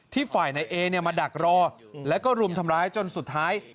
ที่ฝ่ายในเอมาดักรอแล้วก็รุมทำร้ายจนสุดท้าย